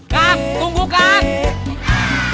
kak tunggu kak